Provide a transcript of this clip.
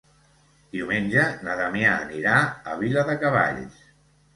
Diumenge na Damià anirà a Viladecavalls.